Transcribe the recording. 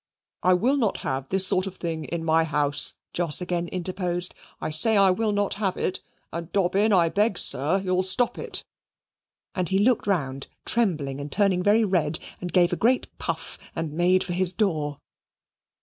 "I will not have this sort of thing in my house," Jos again interposed. "I say I will not have it; and Dobbin, I beg, sir, you'll stop it." And he looked round, trembling and turning very red, and gave a great puff, and made for his door.